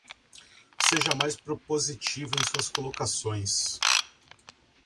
Seja mais propositiva em suas colocações